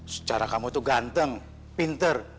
secara kamu itu ganteng pinter